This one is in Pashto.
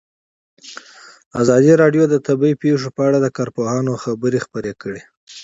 ازادي راډیو د طبیعي پېښې په اړه د کارپوهانو خبرې خپرې کړي.